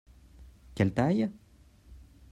Quelle taille ?